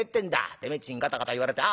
てめえっちにガタガタ言われてああ